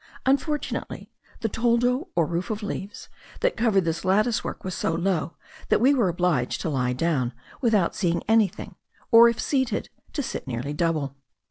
Unfortunately, the toldo or roof of leaves, that covered this lattice work, was so low that we were obliged to lie down, without seeing anything, or, if seated, to sit nearly double.